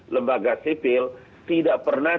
lembaga sipil tidak pernah